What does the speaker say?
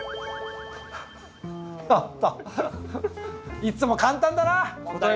いつも簡単だな問題が！